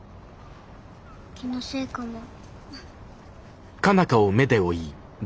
気のせいかも。